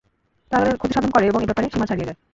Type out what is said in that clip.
তারা তাদের ক্ষতিসাধন করে এবং এ ব্যাপারে সীমা ছাড়িয়ে যায়।